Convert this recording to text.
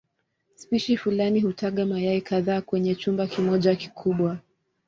Spishi fulani hutaga mayai kadhaa kwenye chumba kimoja kikubwa.